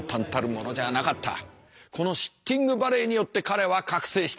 このシッティングバレーによって彼は覚醒した。